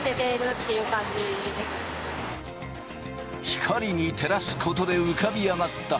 光に照らすことで浮かび上がった